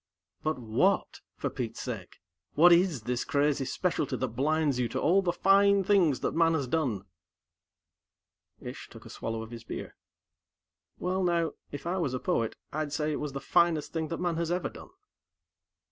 "But what, for Pete's sake? What is this crazy specialty that blinds you to all the fine things that man has done?" Ish took a swallow of his beer. "Well, now, if I was a poet, I'd say it was the finest thing that man has ever done."